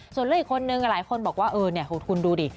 ส่วนเรื่องอีกคนนึงหลายคนบอกว่าเออเนี่ยคุณดูดิ